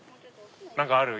何かある？